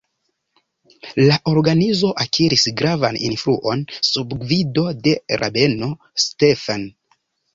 La organizo akiris gravan influon sub gvido de rabeno Stephen.